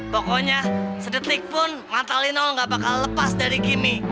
pokoknya sedetikpun mata lino gak bakal lepas dari kimi